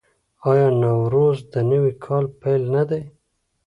آیا نوروز د نوي کال پیل نه دی؟